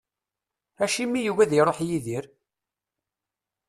Acimi yugi ad iruḥ Yidir?